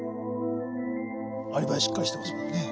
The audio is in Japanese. アリバイしっかりしてますもんね。